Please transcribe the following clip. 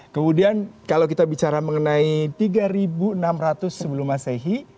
kemudian kalau kita bicara mengenai tiga enam ratus sebelum masehi